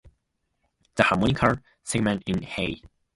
The harmonica segment in Hey!